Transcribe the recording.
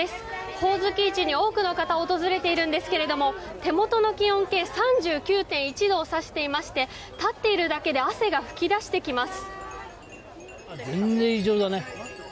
ほおずき市に多くの方が訪れていますが手元の気温計３９．１度を指していまして立っているだけで汗が噴き出してきます。